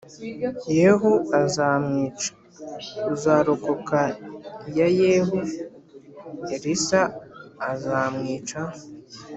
Yehu azamwica, uzarokoka iya Yehu, Elisa azamwica